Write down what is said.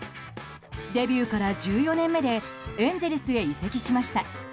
デビューから１４年目でエンゼルスへ移籍しました。